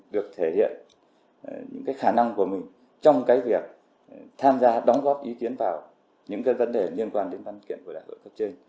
được thể hiện những khả năng của mình trong cái việc tham gia đóng góp ý kiến vào những vấn đề liên quan đến văn kiện của đại hội cấp trên